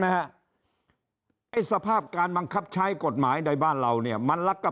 ไหมฮะไอ้สภาพการบังคับใช้กฎหมายในบ้านเราเนี่ยมันลักกะ